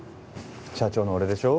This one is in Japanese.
社長の俺でしょ。